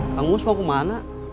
kang ngus mau ke mana